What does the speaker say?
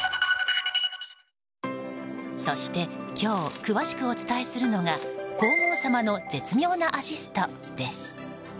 そして今日詳しくお伝えするのが皇后さまの絶妙なアシストです。